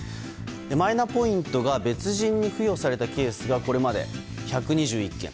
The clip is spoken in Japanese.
マイナポイントが別人に付与されたケースがこれまで１２１件。